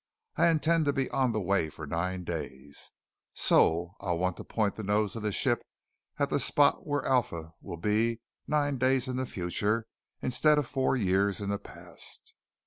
I intend to be on the way for nine days. So I'll want to point the nose of the ship at the spot where Alpha will be nine days in the future instead of four years in the past.